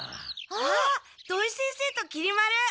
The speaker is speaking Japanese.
あっ土井先生ときり丸！